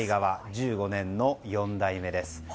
１５年目の４代目です。